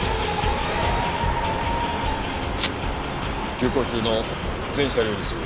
急行中の全車両に告ぐ。